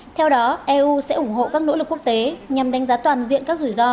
theo đó eu sẽ ủng hộ các nỗ lực quốc tế nhằm đánh giá toàn diện các rủi ro